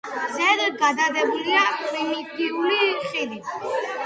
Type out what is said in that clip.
ზედ გადებულია პრიმიტიული ხიდი.